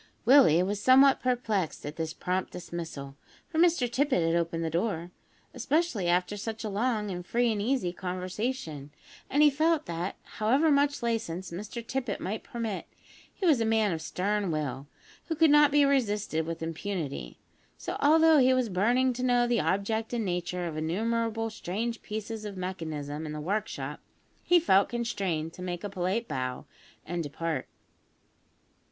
Willie was somewhat perplexed at this prompt dismissal (for Mr Tippet had opened the door), especially after such a long and free and easy conversation, and he felt that, however much license Mr Tippet might permit, he was a man of stern will, who could not be resisted with impunity; so, although he was burning to know the object and nature of innumerable strange pieces of mechanism in the workshop, he felt constrained to make a polite bow and depart.